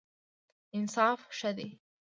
انصاف ښه دی.